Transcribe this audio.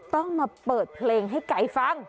ต้องมาเปิดเพลงให้ไก่ฟัง